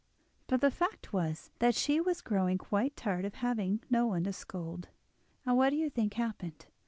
But the fact was that she was growing quite tired of having no one to scold. And what do you think happened?